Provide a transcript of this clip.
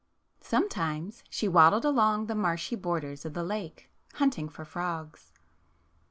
Sometimes she waddled along the marshy borders of the lake hunt ing for frogs.